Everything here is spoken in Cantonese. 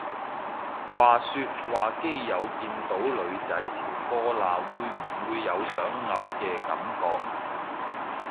話說話基友見到女仔條波罅會唔會有想嘔嘅感覺？